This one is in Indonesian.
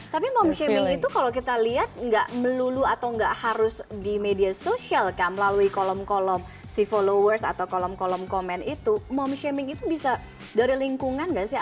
tapi mom shaming itu kalau kita lihat nggak melulu atau nggak harus di media sosial kan melalui kolom kolom si followers atau kolom kolom komen itu mom shaming itu bisa dari lingkungan nggak sih